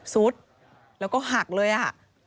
สุดแล้วก็หักเลยอ่ะ